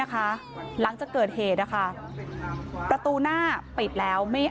เชิงชู้สาวกับผอโรงเรียนคนนี้